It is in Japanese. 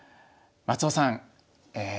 松尾さんえ